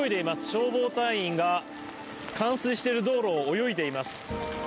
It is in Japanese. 消防隊員が冠水している道路を泳いでいます。